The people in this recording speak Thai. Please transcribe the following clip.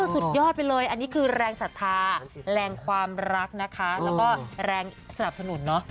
สุดยอดไปเลยอันนี้คือแรงศรัทธาแรงความรักนะคะแล้วก็แรงสนับสนุนเนอะ